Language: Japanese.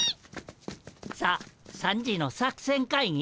さ３時の作戦会議？